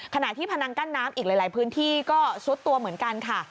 ขณะที่พนังกั้นน้ำอีกหลายพื้นที่ก็ซุดตัวเหมือนกันค่ะ